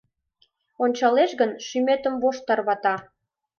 Ончалеш гын, шӱметым вошт тарвата!..